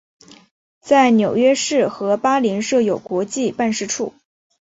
在纽约市和巴林设有国际办事处。